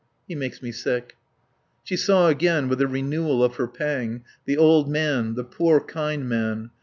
He makes me sick." She saw again, with a renewal of her pang, the old man, the poor, kind man.